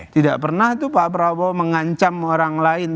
tidak pernah itu pak prabowo mengancam orang lain